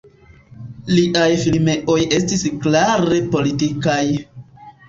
Liaj filmoj estis klare politikaj.